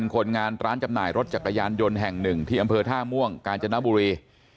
คนงานร้านจำหน่ายรถจักรยานยนต์แห่งหนึ่งที่อำเภอท่าม่วงกาญจนบุรี